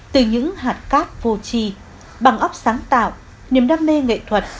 từ những hạt cát vô chi bằng ốc sáng tạo niềm đam mê nghệ thuật